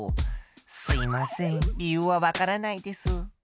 すいません理由はわからないです。